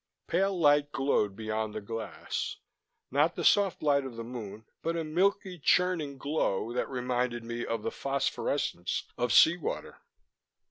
Pale light glowed beyond the glass. Not the soft light of the moon, but a milky, churning glow that reminded me of the phosphorescence of sea water....